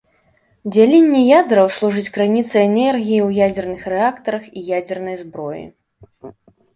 Дзяленне ядраў служыць крыніцай энергіі ў ядзерных рэактарах і ядзернай зброі.